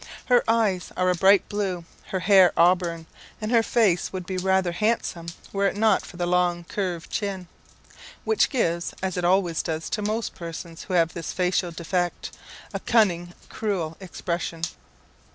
Her eyes are a bright blue, her hair auburn, and her face would be rather handsome were it not for the long curved chin, which gives, as it always does to most persons who have this facial defect, a cunning, cruel expression.